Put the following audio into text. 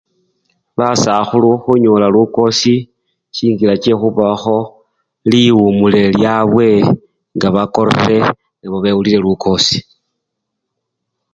Baskhulu khunyola lukosi, chingila chekhubawakho liwumule lyabwe nga bakorere nabo bakofule nebawulile lukosi.